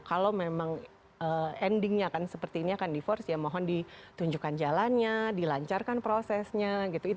kalau memang endingnya kan seperti ini akan di force ya mohon ditunjukkan jalannya dilancarkan prosesnya gitu